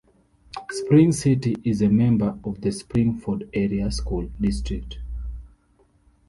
Spring City is a member of the Spring-Ford Area School District.